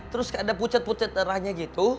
terus ada pucat pucat erahnya gitu